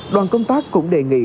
đoàn công tác cũng đề nghị